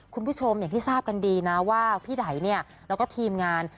คุณผู้ชมอย่างที่ทราบกันดีนะว่าพี่ไดเนี่ยแล้วก็ทีมงาน